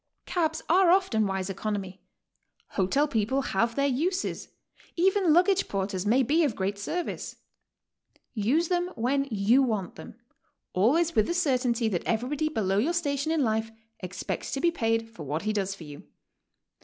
Cabs are often wise economy, hotel people have their uses, even luggage porters may be of great service. Use them when you want them, always with the certainty that everybody below your own station in life expects to be paid for what he does for you.